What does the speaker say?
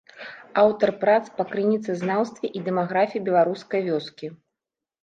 Аўтар прац па крыніцазнаўстве і дэмаграфіі беларускай вёскі.